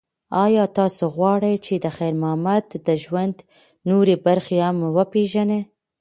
ایا تاسو غواړئ چې د خیر محمد د ژوند نورې برخې هم وپیژنئ؟